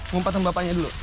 ngumpet tembapanya dulu